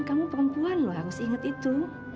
kamu perempuan loh harus inget itu